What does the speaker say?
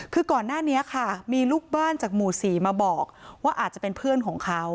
คือก่อนหน้านี้ค่ะมีลูกบ้านจากหมู่๔มาบอกว่าอาจจะเป็นเพื่อนของเขา